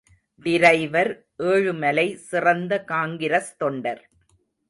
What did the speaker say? Driver Ezhumalai சிறந்த காங்கிரஸ் தொண்டர்.